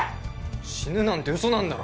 死ぬなんて嘘なんだろ？